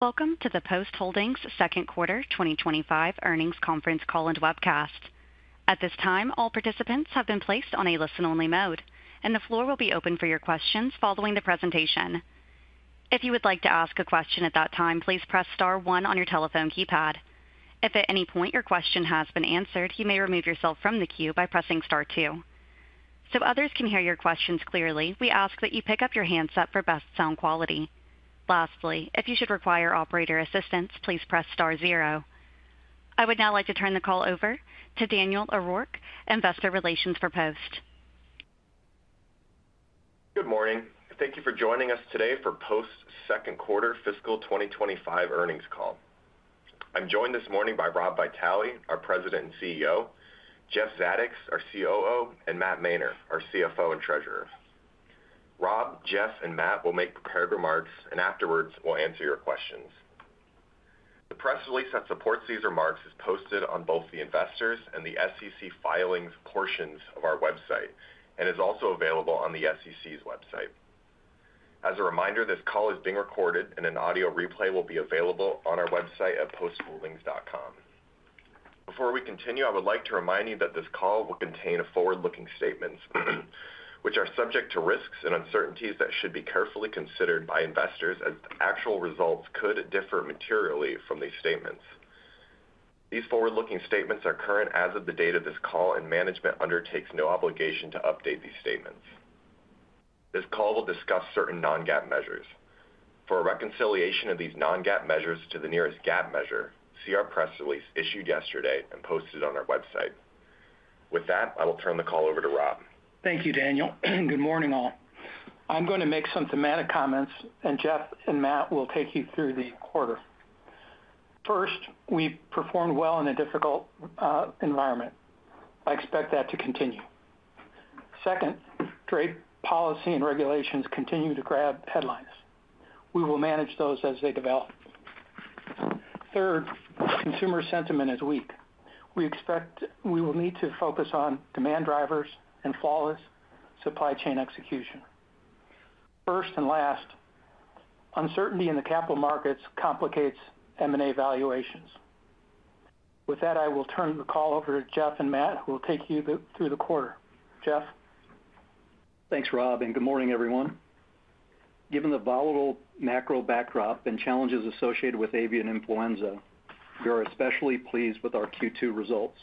Welcome to the Post Holdings Second Quarter 2025 Earnings Conference call and webcast. At this time, all participants have been placed on a listen-only mode, and the floor will be open for your questions following the presentation. If you would like to ask a question at that time, please press Star one on your telephone keypad. If at any point your question has been answered, you may remove yourself from the queue by pressing Star two. So others can hear your questions clearly, we ask that you pick up your handset for best sound quality. Lastly, if you should require operator assistance, please press Star zero. I would now like to turn the call over to Daniel O'Rourke, Investor Relations for Post. Good morning. Thank you for joining us today for Post's Second Quarter Fiscal 2025 Earnings Call. I'm joined this morning by Rob Vitale, our President and CEO, Jeff Zadoks, our COO, and Matt Mainer, our CFO and Treasurer. Rob, Jeff, and Matt will make prepared remarks, and afterwards we'll answer your questions. The press release that supports these remarks is posted on both the Investors' and the SEC filings portions of our website and is also available on the SEC's website. As a reminder, this call is being recorded, and an audio replay will be available on our website at postholdings.com. Before we continue, I would like to remind you that this call will contain forward-looking statements, which are subject to risks and uncertainties that should be carefully considered by investors, as actual results could differ materially from these statements. These forward-looking statements are current as of the date of this call, and management undertakes no obligation to update these statements. This call will discuss certain non-GAAP measures. For reconciliation of these non-GAAP measures to the nearest GAAP measure, see our press release issued yesterday and posted on our website. With that, I will turn the call over to Rob. Thank you, Daniel. Good morning, all. I'm going to make some thematic comments, and Jeff and Matt will take you through the quarter. First, we performed well in a difficult environment. I expect that to continue. Second, trade policy and regulations continue to grab headlines. We will manage those as they develop. Third, consumer sentiment is weak. We expect we will need to focus on demand drivers and flawless supply chain execution. First and last, uncertainty in the capital markets complicates M&A valuations. With that, I will turn the call over to Jeff and Matt, who will take you through the quarter. Jeff. Thanks, Rob, and good morning, everyone. Given the volatile macro backdrop and challenges associated with avian influenza, we are especially pleased with our Q2 results.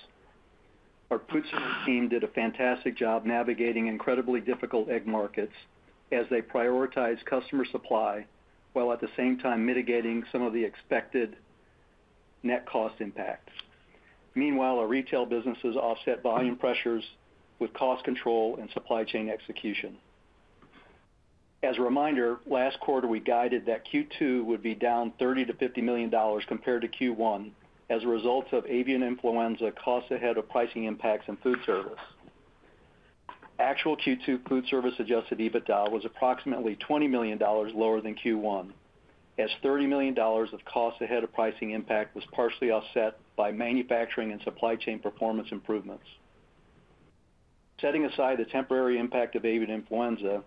Our PPI team did a fantastic job navigating incredibly difficult egg markets as they prioritized customer supply while at the same time mitigating some of the expected net cost impacts. Meanwhile, our retail businesses offset volume pressures with cost control and supply chain execution. As a reminder, last quarter we guided that Q2 would be down $30 million-$50 million compared to Q1 as a result of avian influenza costs ahead of pricing impacts in foodservice. Actual Q2 foodservice adjusted EBITDA was approximately $20 million lower than Q1, as $39 million of costs ahead of pricing impact was partially offset by manufacturing and supply chain performance improvements. Setting aside the temporary impact of avian influenza,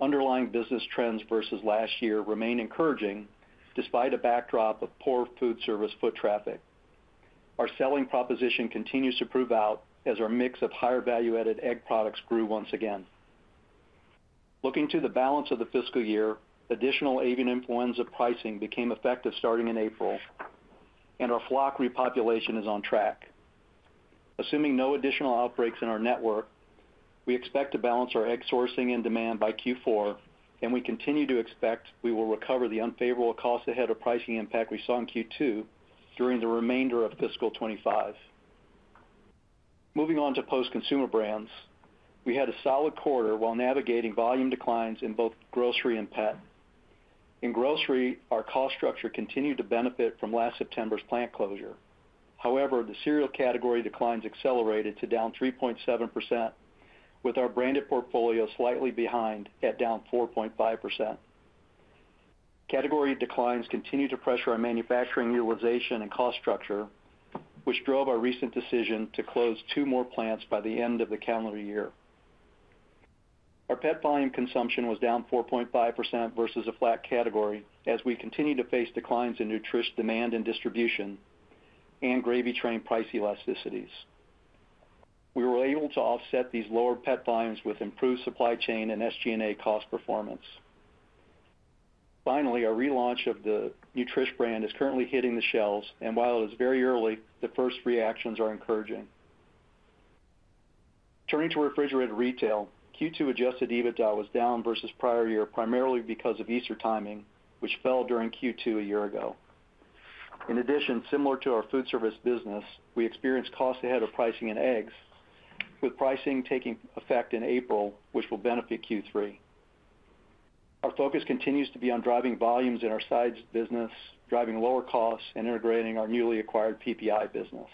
underlying business trends versus last year remain encouraging despite a backdrop of poor foodservice foot traffic. Our selling proposition continues to prove out as our mix of higher value-added egg products grew once again. Looking to the balance of the fiscal year, additional avian influenza pricing became effective starting in April, and our flock repopulation is on track. Assuming no additional outbreaks in our network, we expect to balance our egg sourcing and demand by Q4, and we continue to expect we will recover the unfavorable cost ahead of pricing impact we saw in Q2 during the remainder of fiscal 2025. Moving on to Post Consumer Brands, we had a solid quarter while navigating volume declines in both grocery and pet. In grocery, our cost structure continued to benefit from last September's plant closure. However, the cereal category declines accelerated to down 3.7%, with our branded portfolio slightly behind at down 4.5%. Category declines continue to pressure our manufacturing utilization and cost structure, which drove our recent decision to close two more plants by the end of the calendar year. Our pet volume consumption was down 4.5% versus a flat category as we continue to face declines in Nutrish demand and distribution and Gravy Train price elasticities. We were able to offset these lower pet volumes with improved supply chain and SG&A cost performance. Finally, our relaunch of the Nutrish brand is currently hitting the shelves, and while it is very early, the first reactions are encouraging. Turning to refrigerated retail, Q2 adjusted EBITDA was down versus prior year primarily because of Easter timing, which fell during Q2 a year ago. In addition, similar to our foodservice business, we experienced cost ahead of pricing in eggs, with pricing taking effect in April, which will benefit Q3. Our focus continues to be on driving volumes in our size business, driving lower costs, and integrating our newly acquired PPI business.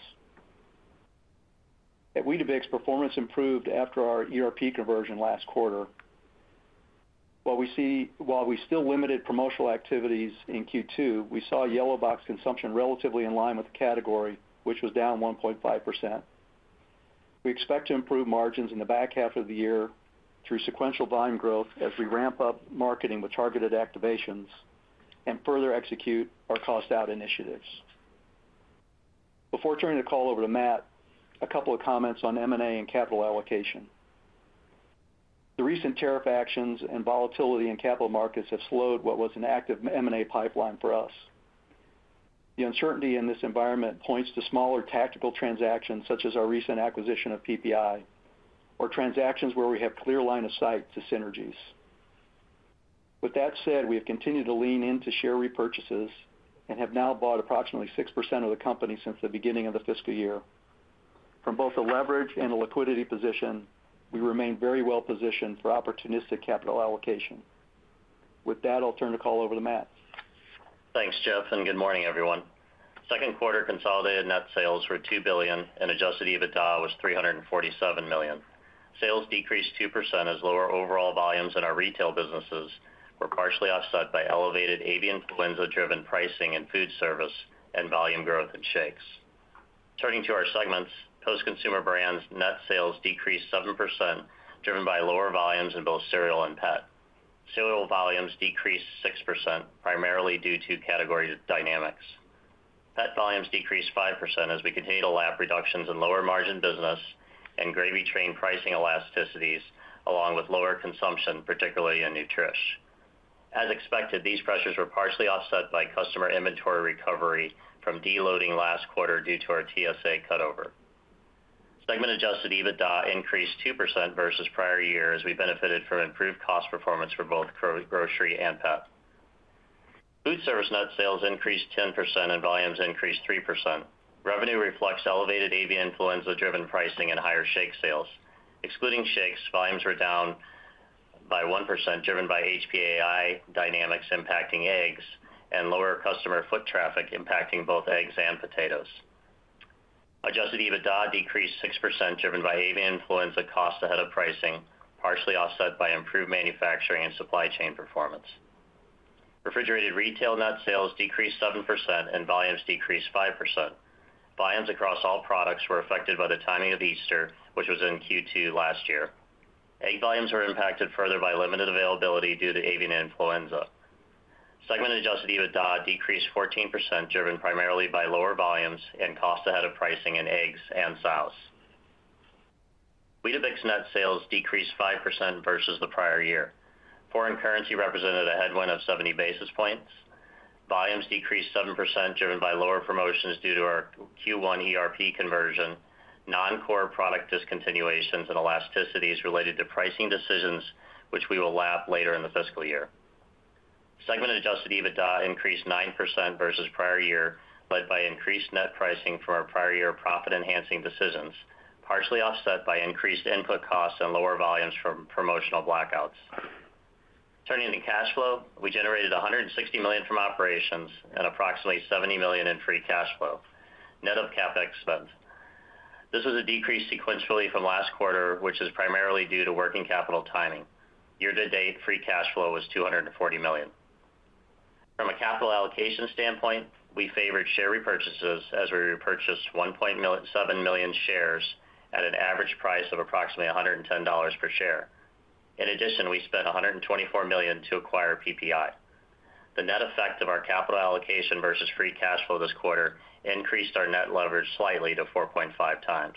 At Weetabix, performance improved after our ERP conversion last quarter. While we still limited promotional activities in Q2, we saw yellow box consumption relatively in line with the category, which was down 1.5%. We expect to improve margins in the back half of the year through sequential volume growth as we ramp up marketing with targeted activations and further execute our cost-out initiatives. Before turning the call over to Matt, a couple of comments on M&A and capital allocation. The recent tariff actions and volatility in capital markets have slowed what was an active M&A pipeline for us. The uncertainty in this environment points to smaller tactical transactions, such as our recent acquisition of PPI, or transactions where we have clear line of sight to synergies. With that said, we have continued to lean into share repurchases and have now bought approximately 6% of the company since the beginning of the fiscal year. From both the leverage and the liquidity position, we remain very well positioned for opportunistic capital allocation. With that, I'll turn the call over to Matt. Thanks, Jeff, and good morning, everyone. Second quarter consolidated net sales were $2 billion, and adjusted EBITDA was $347 million. Sales decreased 2% as lower overall volumes in our retail businesses were partially offset by elevated avian influenza-driven pricing in foodservice and volume growth in shakes. Turning to our segments, Post Consumer Brands' net sales decreased 7%, driven by lower volumes in both cereal and pet. Cereal volumes decreased 6%, primarily due to category dynamics. Pet volumes decreased 5% as we continued to lap reductions in lower margin business and Gravy Train pricing elasticities, along with lower consumption, particularly in Nutrish. As expected, these pressures were partially offset by customer inventory recovery from deloading last quarter due to our TSA cutover. Segment-adjusted EBITDA increased 2% versus prior year as we benefited from improved cost performance for both grocery and pet. Foodservice net sales increased 10%, and volumes increased 3%. Revenue reflects elevated avian influenza-driven pricing and higher shake sales. Excluding shakes, volumes were down by 1%, driven by HPAI dynamics impacting eggs and lower customer foot traffic impacting both eggs and potatoes. Adjusted EBITDA decreased 6%, driven by avian influenza cost ahead of pricing, partially offset by improved manufacturing and supply chain performance. Refrigerated retail net sales decreased 7%, and volumes decreased 5%. Volumes across all products were affected by the timing of Easter, which was in Q2 last year. Egg volumes were impacted further by limited availability due to avian influenza. Segment-adjusted EBITDA decreased 14%, driven primarily by lower volumes and cost ahead of pricing in eggs and sauce. Weetabix's net sales decreased 5% versus the prior year. Foreign currency represented a headwind of 70 basis points. Volumes decreased 7%, driven by lower promotions due to our Q1 ERP conversion, non-core product discontinuations, and elasticities related to pricing decisions, which we will lap later in the fiscal year. Segment-adjusted EBITDA increased 9% versus prior year, led by increased net pricing from our prior year profit-enhancing decisions, partially offset by increased input costs and lower volumes from promotional blackouts. Turning to cash flow, we generated $160 million from operations and approximately $70 million in free cash flow, net of CapEx spend. This was a decrease sequentially from last quarter, which is primarily due to working capital timing. Year-to-date free cash flow was $240 million. From a capital allocation standpoint, we favored share repurchases as we repurchased 1.7 million shares at an average price of approximately $110 per share. In addition, we spent $124 million to acquire PPI. The net effect of our capital allocation versus free cash flow this quarter increased our net leverage slightly to 4.5x.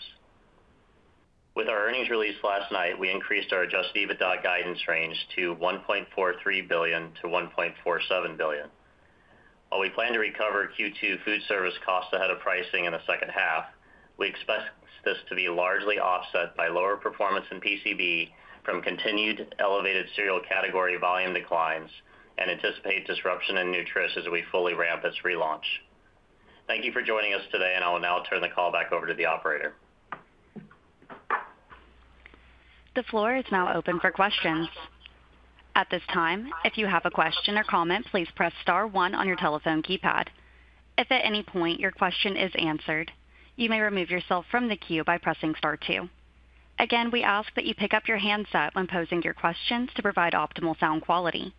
With our earnings released last night, we increased our adjusted EBITDA guidance range to $1.43 billion-$1.47 billion. While we plan to recover Q2 foodservice costs ahead of pricing in the second half, we expect this to be largely offset by lower performance in PCB from continued elevated cereal category volume declines and anticipate disruption in Nutrish as we fully ramp its relaunch. Thank you for joining us today, and I will now turn the call back over to the operator. The floor is now open for questions. At this time, if you have a question or comment, please press Star one on your telephone keypad. If at any point your question is answered, you may remove yourself from the queue by pressing Star two. Again, we ask that you pick up your handset when posing your questions to provide optimal sound quality.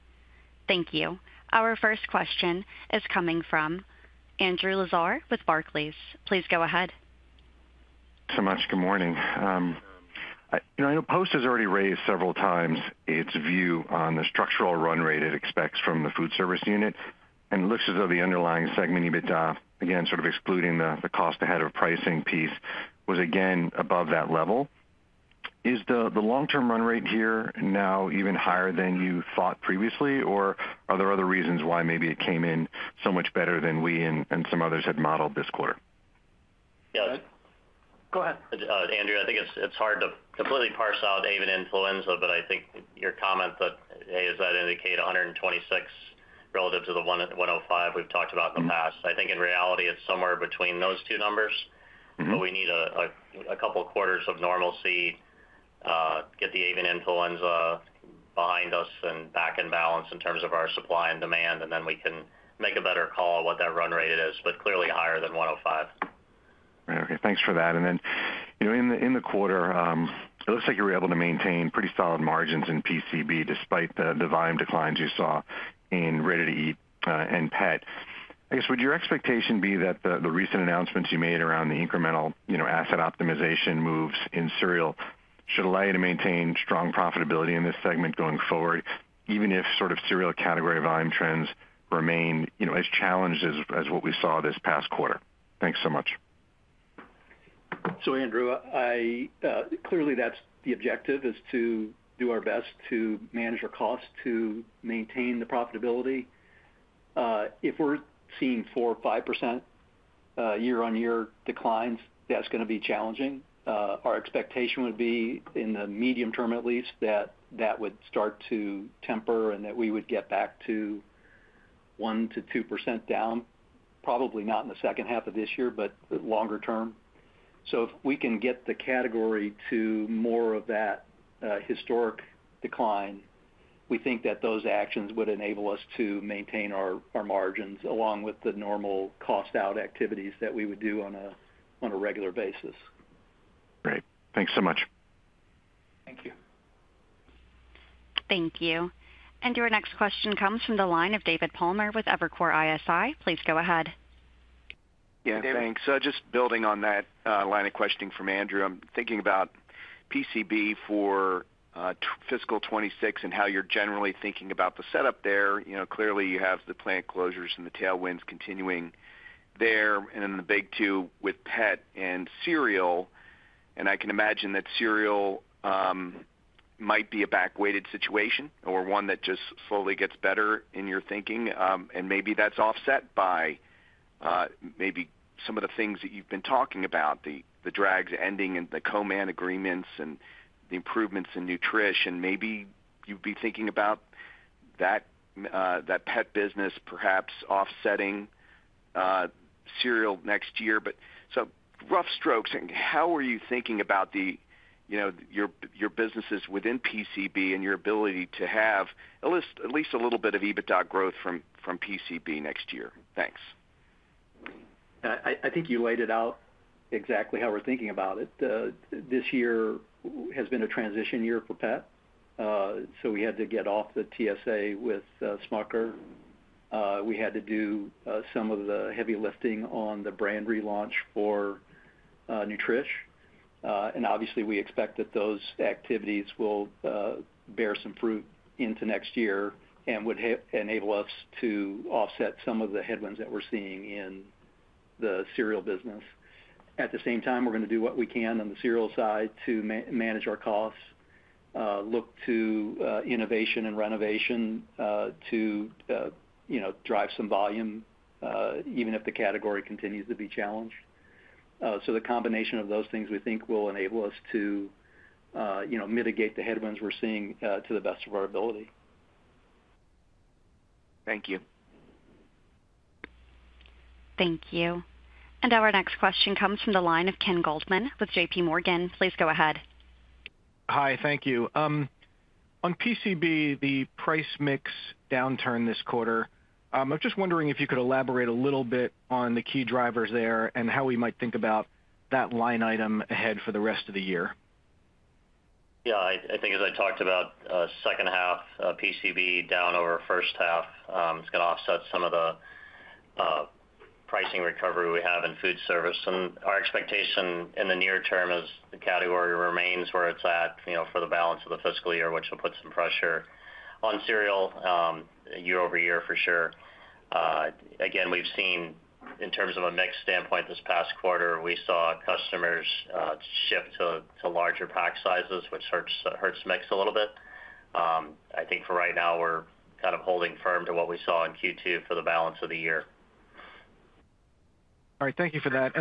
Thank you. Our first question is coming from Andrew Lazar with Barclays. Please go ahead. Thanks so much. Good morning. You know, I know Post has already raised several times its view on the structural run rate it expects from the foodservice unit, and it looks as though the underlying segment EBITDA, again, sort of excluding the cost ahead of pricing piece, was again above that level. Is the long-term run rate here now even higher than you thought previously, or are there other reasons why maybe it came in so much better than we and some others had modeled this quarter? Yes. Go ahead. Andrew, I think it's hard to completely parse out avian influenza, but I think your comment that, hey, does that indicate $126 relative to the $105 we've talked about in the past? I think in reality it's somewhere between those two numbers, but we need a couple quarters of normalcy, get the avian influenza behind us and back in balance in terms of our supply and demand, and then we can make a better call of what that run rate is, but clearly higher than $105. Okay. Thanks for that. Then, you know, in the quarter, it looks like you were able to maintain pretty solid margins in PCB despite the volume declines you saw in ready-to-eat and pet. I guess, would your expectation be that the recent announcements you made around the incremental asset optimization moves in cereal should allow you to maintain strong profitability in this segment going forward, even if sort of cereal category volume trends remain, you know, as challenged as what we saw this past quarter? Thanks so much. Andrew, clearly that's the objective is to do our best to manage our costs to maintain the profitability. If we're seeing 4% or 5% year-on-year declines, that's going to be challenging. Our expectation would be, in the medium term at least, that that would start to temper and that we would get back to 1%-2% down, probably not in the second half of this year, but longer term. If we can get the category to more of that historic decline, we think that those actions would enable us to maintain our margins along with the normal cost-out activities that we would do on a regular basis. Great. Thanks so much. Thank you. Thank you. Andrew, our next question comes from the line of David Palmer with Evercore ISI. Please go ahead. Yeah, thanks. Just building on that line of questioning from Andrew, I'm thinking about PCB for fiscal 2026 and how you're generally thinking about the setup there. You know, clearly you have the plant closures and the tailwinds continuing there, and then the big two with pet and cereal, and I can imagine that cereal might be a back-weighted situation or one that just slowly gets better in your thinking, and maybe that's offset by maybe some of the things that you've been talking about, the drags ending and the co-man agreements and the improvements in Nutrish, and maybe you'd be thinking about that pet business perhaps offsetting cereal next year. But rough strokes, how are you thinking about the, you know, your businesses within PCB and your ability to have at least a little bit of EBITDA growth from PCB next year? Thanks. I think you laid it out exactly how we're thinking about it. This year has been a transition year for pet, so we had to get off the TSA with Smucker. We had to do some of the heavy lifting on the brand relaunch for Nutrish, and obviously we expect that those activities will bear some fruit into next year and would enable us to offset some of the headwinds that we're seeing in the cereal business. At the same time, we're going to do what we can on the cereal side to manage our costs, look to innovation and renovation to, you know, drive some volume, even if the category continues to be challenged. The combination of those things we think will enable us to, you know, mitigate the headwinds we're seeing to the best of our ability. Thank you. Thank you. Our next question comes from the line of Ken Goldman with JPMorgan. Please go ahead. Hi, thank you. On PCB, the price mix downturn this quarter, I'm just wondering if you could elaborate a little bit on the key drivers there and how we might think about that line item ahead for the rest of the year. Yeah, I think as I talked about, second half PCB down over first half, it's going to offset some of the pricing recovery we have in foodservice, and our expectation in the near term is the category remains where it's at, you know, for the balance of the fiscal year, which will put some pressure on cereal year over year for sure. Again, we've seen in terms of a mix standpoint this past quarter, we saw customers shift to larger pack sizes, which hurts mix a little bit. I think for right now we're kind of holding firm to what we saw in Q2 for the balance of the year. All right. Thank you for that.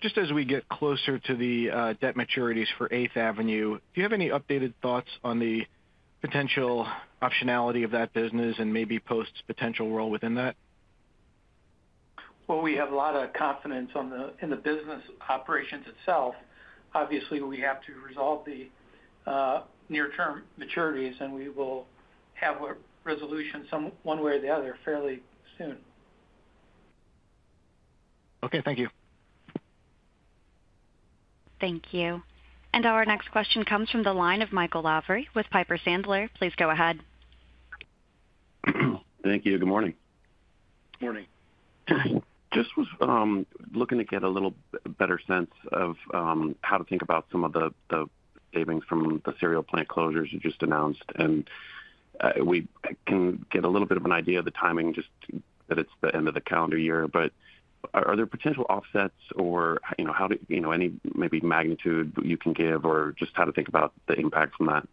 Just as we get closer to the debt maturities for 8th Avenue, do you have any updated thoughts on the potential optionality of that business and maybe Post's potential role within that? We have a lot of confidence in the business operations itself. Obviously, we have to resolve the near-term maturities, and we will have a resolution one way or the other fairly soon. Okay. Thank you. Thank you. Our next question comes from the line of Michael Lavery with Piper Sandler. Please go ahead. Thank you. Good morning. Morning. Just was looking to get a little better sense of how to think about some of the savings from the cereal plant closures you just announced, and we can get a little bit of an idea of the timing just that it's the end of the calendar year. Are there potential offsets or, you know, how do, you know, any maybe magnitude you can give or just how to think about the impact from that?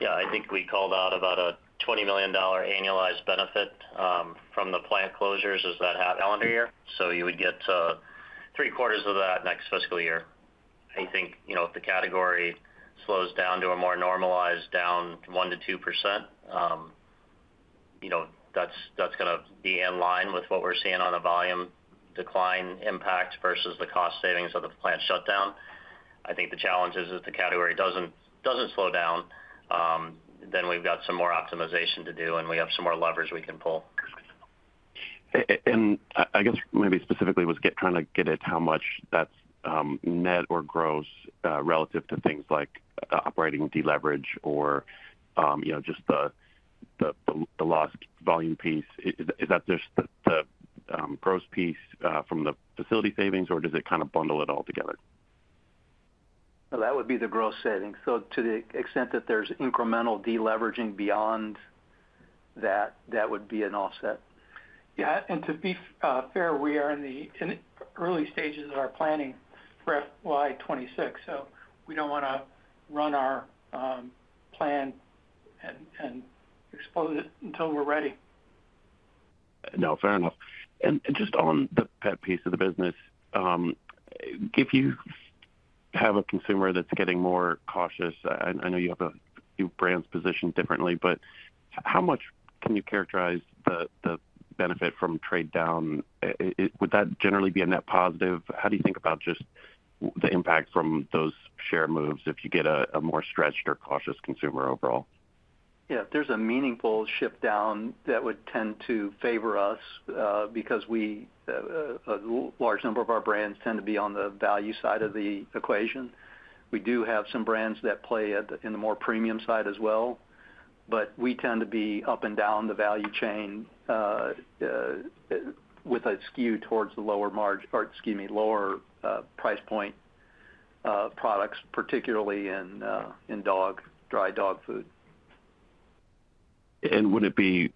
Yeah, I think we called out about a $20 million annualized benefit from the plant closures as that calendar year, so you would get three quarters of that next fiscal year. I think, you know, if the category slows down to a more normalized down 1%-2%, you know, that's going to be in line with what we're seeing on the volume decline impact versus the cost savings of the plant shutdown. I think the challenge is if the category doesn't slow down, then we've got some more optimization to do, and we have some more levers we can pull. I guess maybe specifically was trying to get at how much that's net or gross relative to things like operating deleverage or, you know, just the lost volume piece. Is that just the gross piece from the facility savings, or does it kind of bundle it all together? That would be the gross savings. To the extent that there's incremental deleveraging beyond that, that would be an offset. Yeah. To be fair, we are in the early stages of our planning for FY26, so we do not want to run our plan and expose it until we are ready. No, fair enough. Just on the pet piece of the business, if you have a consumer that's getting more cautious, I know you have a few brands positioned differently, but how much can you characterize the benefit from trade down? Would that generally be a net positive? How do you think about just the impact from those share moves if you get a more stretched or cautious consumer overall? Yeah, if there's a meaningful shift down, that would tend to favor us because a large number of our brands tend to be on the value side of the equation. We do have some brands that play in the more premium side as well, but we tend to be up and down the value chain with a skew towards the lower margin or, excuse me, lower price point products, particularly in dog, dry dog food. Would it be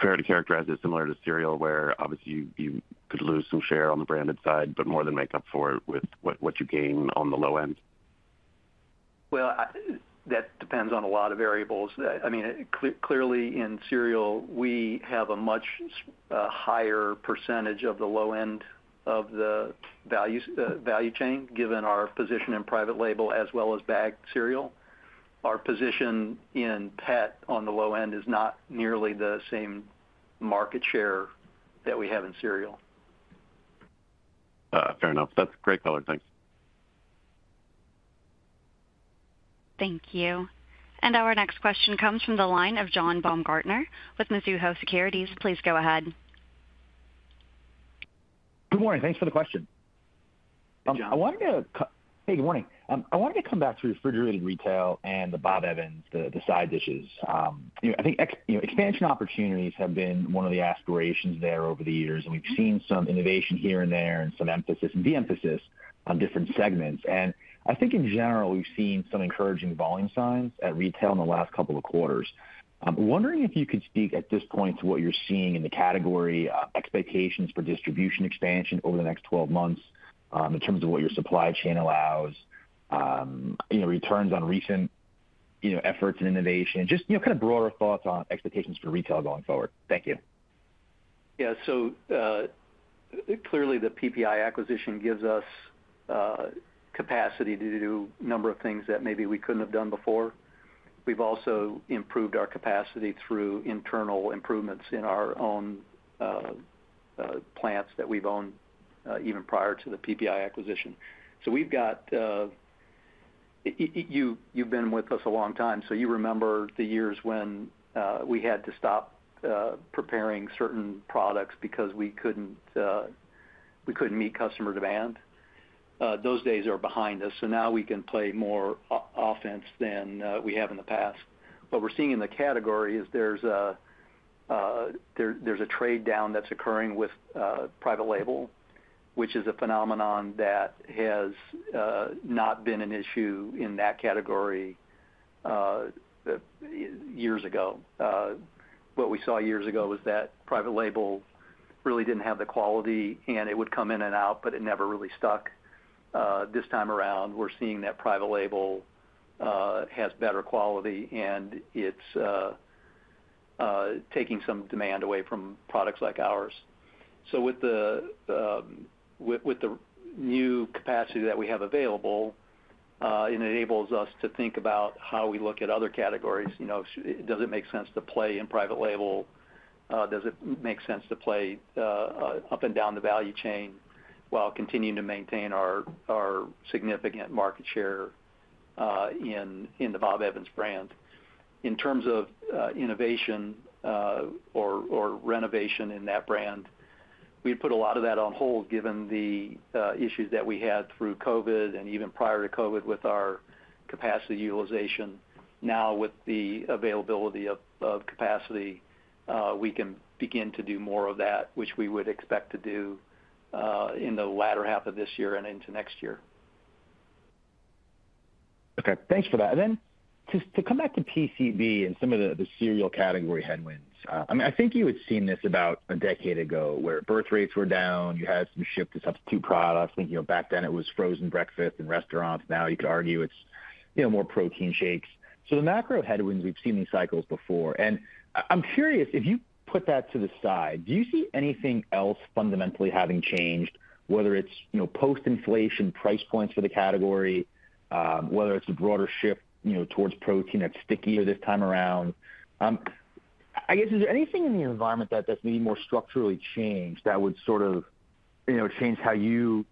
fair to characterize it similar to cereal where obviously you could lose some share on the branded side, but more than make up for it with what you gain on the low end? That depends on a lot of variables. I mean, clearly in cereal, we have a much higher percentage of the low end of the value chain given our position in private label as well as bagged cereal. Our position in pet on the low end is not nearly the same market share that we have in cereal. Fair enough. That's great color. Thanks. Thank you. Our next question comes from the line of John Baumgartner with Mizuho Securities. Please go ahead. Good morning. Thanks for the question. I wanted to, hey, good morning. I wanted to come back to refrigerated retail and the Bob Evans, the side dishes. You know, I think, you know, expansion opportunities have been one of the aspirations there over the years, and we've seen some innovation here and there and some emphasis and de-emphasis on different segments. I think in general we've seen some encouraging volume signs at retail in the last couple of quarters. I'm wondering if you could speak at this point to what you're seeing in the category expectations for distribution expansion over the next 12 months in terms of what your supply chain allows, you know, returns on recent, you know, efforts and innovation, just, you know, kind of broader thoughts on expectations for retail going forward. Thank you. Yeah. So clearly the PPI acquisition gives us capacity to do a number of things that maybe we could not have done before. We have also improved our capacity through internal improvements in our own plants that we have owned even prior to the PPI acquisition. You have been with us a long time, so you remember the years when we had to stop preparing certain products because we could not meet customer demand. Those days are behind us, so now we can play more offense than we have in the past. What we are seeing in the category is there is a trade down that is occurring with private label, which is a phenomenon that has not been an issue in that category years ago. What we saw years ago was that private label really did not have the quality, and it would come in and out, but it never really stuck. This time around, we're seeing that private label has better quality, and it's taking some demand away from products like ours. With the new capacity that we have available, it enables us to think about how we look at other categories. You know, does it make sense to play in private label? Does it make sense to play up and down the value chain while continuing to maintain our significant market share in the Bob Evans brand? In terms of innovation or renovation in that brand, we'd put a lot of that on hold given the issues that we had through COVID and even prior to COVID with our capacity utilization. Now, with the availability of capacity, we can begin to do more of that, which we would expect to do in the latter half of this year and into next year. Okay. Thanks for that. To come back to PCB and some of the cereal category headwinds, I mean, I think you had seen this about a decade ago where birth rates were down, you had some shift to substitute products. I think, you know, back then it was frozen breakfast and restaurants. Now you could argue it's, you know, more protein shakes. The macro headwinds, we've seen these cycles before. I'm curious, if you put that to the side, do you see anything else fundamentally having changed, whether it's, you know, post-inflation price points for the category, whether it's a broader shift, you know, towards protein that's stickier this time around? I guess, is there anything in the environment that's maybe more structurally changed that would sort of, you know, change how you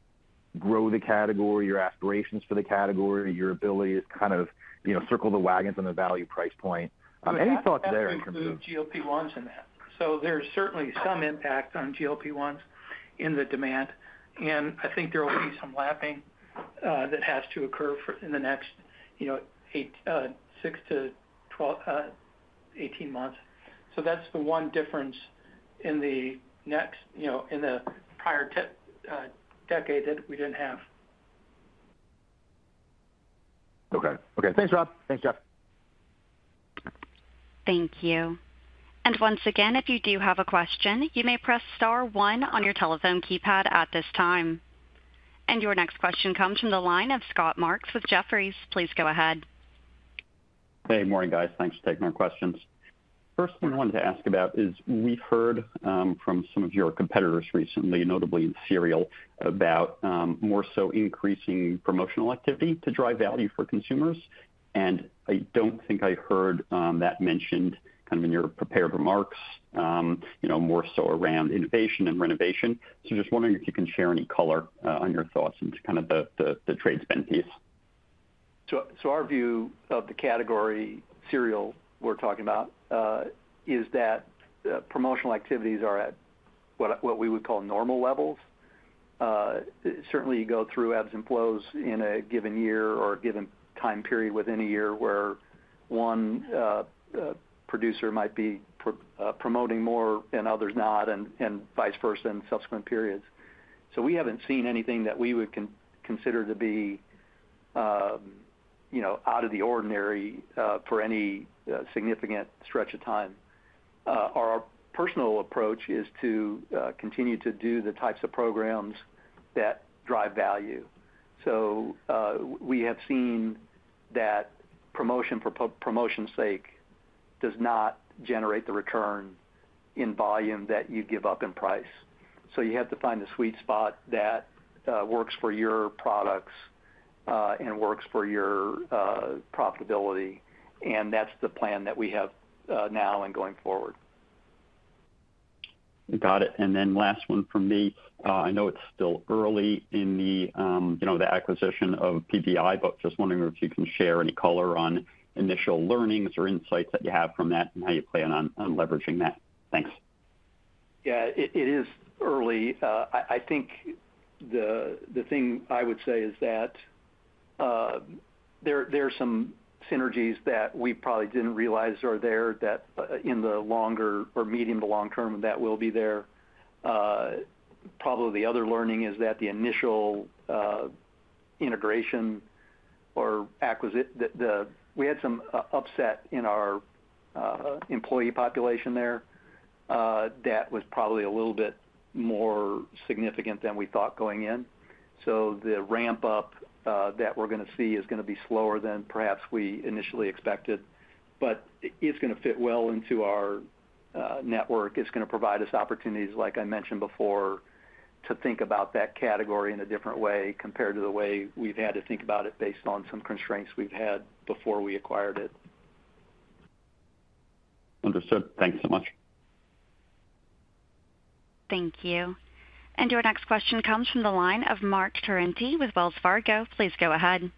grow the category, your aspirations for the category, your ability to kind of, you know, circle the wagons on the value price point? Any thoughts there in terms of? GLP-1s and that. There is certainly some impact on GLP-1s in the demand, and I think there will be some lapping that has to occur in the next, you know, six to 18 months. That is the one difference in the next, you know, in the prior decade that we did not have. Okay. Okay. Thanks, Rob. Thanks, Jeff. Thank you. If you do have a question, you may press star one on your telephone keypad at this time. Your next question comes from the line of Scott Marks with Jefferies. Please go ahead. Hey, morning, guys. Thanks for taking our questions. First thing I wanted to ask about is we've heard from some of your competitors recently, notably in cereal, about more so increasing promotional activity to drive value for consumers. I don't think I heard that mentioned kind of in your prepared remarks, you know, more so around innovation and renovation. Just wondering if you can share any color on your thoughts into kind of the trade spend piece. Our view of the category cereal we are talking about is that promotional activities are at what we would call normal levels. Certainly, you go through ebbs and flows in a given year or a given time period within a year where one producer might be promoting more and others not and vice versa in subsequent periods. We have not seen anything that we would consider to be, you know, out of the ordinary for any significant stretch of time. Our personal approach is to continue to do the types of programs that drive value. We have seen that promotion for promotion's sake does not generate the return in volume that you give up in price. You have to find the sweet spot that works for your products and works for your profitability. That is the plan that we have now and going forward. Got it. Last one from me. I know it's still early in the, you know, the acquisition of PPI, but just wondering if you can share any color on initial learnings or insights that you have from that and how you plan on leveraging that. Thanks. Yeah, it is early. I think the thing I would say is that there are some synergies that we probably did not realize are there that in the longer or medium to long term that will be there. Probably the other learning is that the initial integration or acquisition, we had some upset in our employee population there that was probably a little bit more significant than we thought going in. So the ramp-up that we are going to see is going to be slower than perhaps we initially expected, but it is going to fit well into our network. It is going to provide us opportunities, like I mentioned before, to think about that category in a different way compared to the way we have had to think about it based on some constraints we have had before we acquired it. Understood. Thanks so much. Thank you. Your next question comes from the line of Mark Tarente with Wells Fargo. Please go ahead.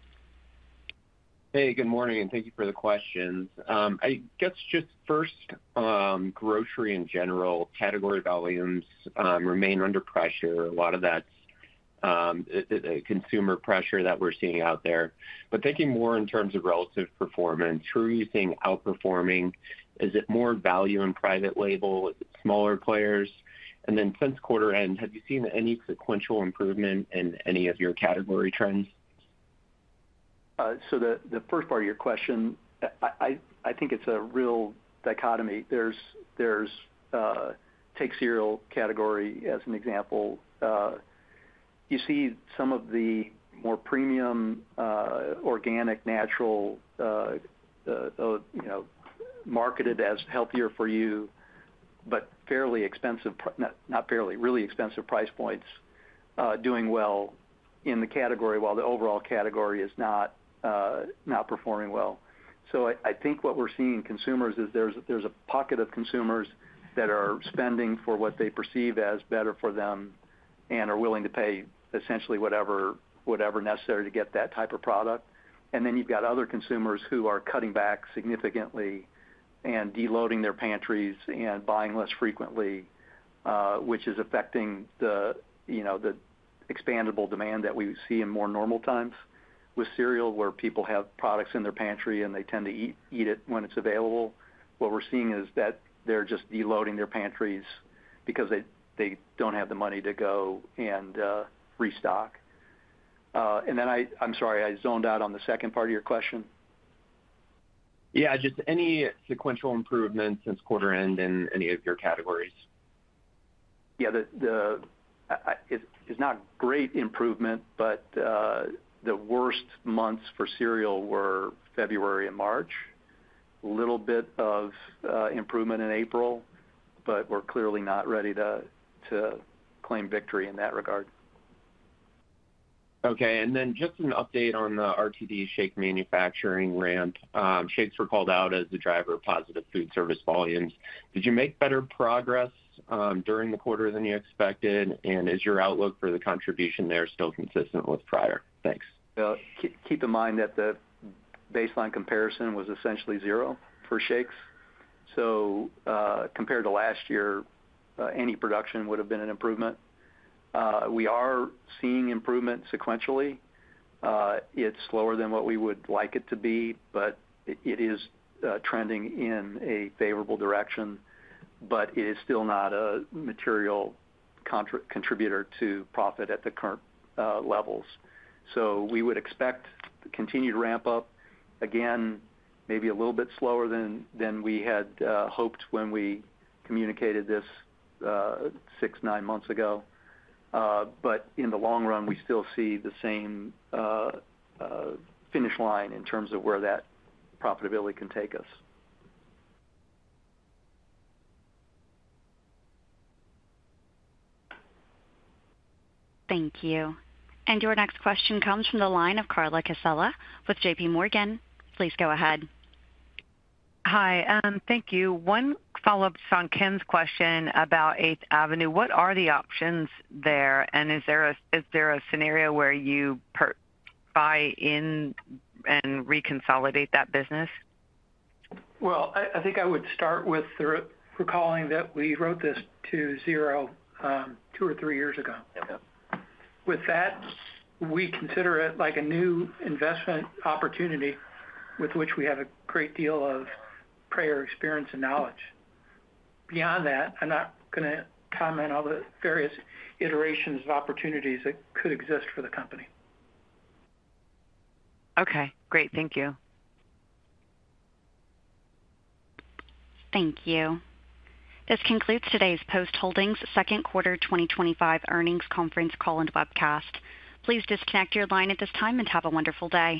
Hey, good morning. Thank you for the questions. I guess just first, grocery in general, category volumes remain under pressure. A lot of that is consumer pressure that we are seeing out there. Thinking more in terms of relative performance, who are you seeing outperforming? Is it more value in private label? Is it smaller players? Since quarter end, have you seen any sequential improvement in any of your category trends? The first part of your question, I think it's a real dichotomy. Take cereal category as an example. You see some of the more premium organic, natural marketed as healthier for you, but fairly expensive, not fairly, really expensive price points doing well in the category while the overall category is not performing well. I think what we're seeing in consumers is there's a pocket of consumers that are spending for what they perceive as better for them and are willing to pay essentially whatever necessary to get that type of product. Then you've got other consumers who are cutting back significantly and deloading their pantries and buying less frequently, which is affecting the, you know, the expandable demand that we see in more normal times with cereal where people have products in their pantry and they tend to eat it when it's available. What we're seeing is that they're just deloading their pantries because they don't have the money to go and restock. I'm sorry, I zoned out on the second part of your question. Yeah, just any sequential improvements since quarter end in any of your categories? Yeah, it's not great improvement, but the worst months for cereal were February and March. A little bit of improvement in April, but we're clearly not ready to claim victory in that regard. Okay. And then just an update on the RTD shake manufacturing ramp. Shakes were called out as the driver of positive foodservice volumes. Did you make better progress during the quarter than you expected? Is your outlook for the contribution there still consistent with prior? Thanks. Keep in mind that the baseline comparison was essentially zero for shakes. So compared to last year, any production would have been an improvement. We are seeing improvement sequentially. It is slower than what we would like it to be, but it is trending in a favorable direction, but it is still not a material contributor to profit at the current levels. We would expect continued ramp-up again, maybe a little bit slower than we had hoped when we communicated this six, nine months ago. In the long run, we still see the same finish line in terms of where that profitability can take us. Thank you. Your next question comes from the line of Carla Casella with JPMorgan. Please go ahead. Hi. Thank you. One follow-up on Ken's question about 8th Avenue. What are the options there? Is there a scenario where you buy in and reconsolidate that business? I think I would start with recalling that we wrote this to zero two or three years ago. With that, we consider it like a new investment opportunity with which we have a great deal of prior experience and knowledge. Beyond that, I'm not going to comment on the various iterations of opportunities that could exist for the company. Okay. Great. Thank you. Thank you. This concludes today's Post Holdings Second Quarter 2025 Earnings Conference Call and Webcast. Please disconnect your line at this time and have a wonderful day.